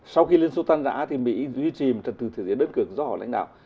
sau khi liên xô tan rã thì mỹ duy trì một trật tự thế giới đơn cực do họ lãnh đạo